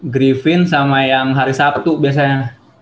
grifin sama yang hari sabtu biasanya